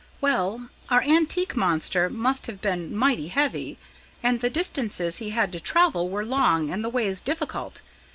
"Well, our antique monster must have been mighty heavy, and the distances he had to travel were long and the ways difficult.